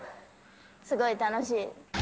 すごい楽しい。